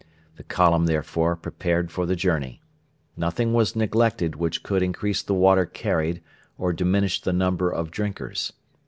The column, therefore, prepared for the journey. Nothing was neglected which could increase the water carried or diminish the number of drinkers.